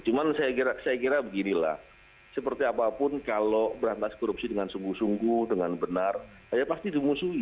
cuma saya kira beginilah seperti apapun kalau berantas korupsi dengan sungguh sungguh dengan benar ya pasti dimusuhi